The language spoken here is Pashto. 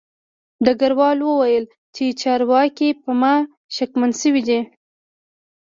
ډګروال وویل چې چارواکي په ما شکمن شوي دي